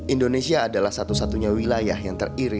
indonesia adalah satu satunya wilayah yang teriri